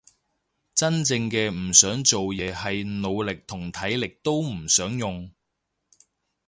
真正嘅唔想做嘢係腦力同體力都唔想用